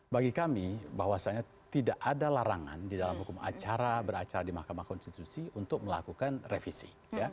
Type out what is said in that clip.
bagi kami bahwasannya tidak ada larangan di dalam hukum acara beracara di mahkamah konstitusi untuk melakukan revisi